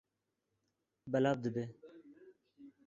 Belav dibe.